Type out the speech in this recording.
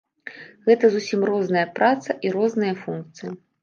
Гэта зусім розная праца і розныя функцыі.